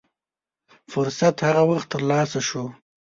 فرصت هغه وخت تر لاسه شو.